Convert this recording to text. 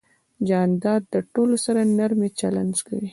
جانداد د ټولو سره نرمي چلند کوي.